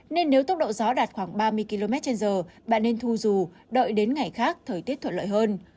nên nếu tốc độ gió đạt khoảng ba mươi km trên giờ bạn nên thu dù đợi đến ngày khác thời tiết thuận lợi hơn